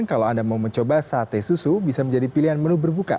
kalau anda mau mencoba sate susu bisa menjadi pilihan menu berbuka